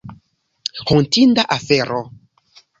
Hontinda afero.